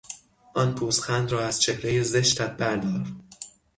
آن پوزخند را از چهرهی زشتت بردار!